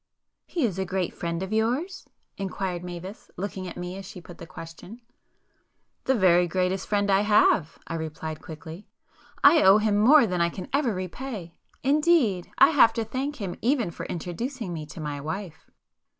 "He is a great friend of yours?" inquired Mavis, looking at me as she put the question. "The very greatest friend I have,"—I replied quickly—"I owe him more than I can ever repay,—indeed I have to thank him even for introducing me to my wife!"